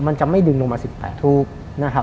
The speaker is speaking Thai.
มันจะไม่ดึงลงมา๑๘